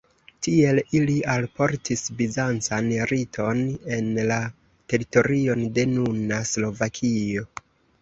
Tiel ili alportis bizancan riton en la teritorion de nuna Slovakio.